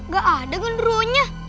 gak ada gondoronya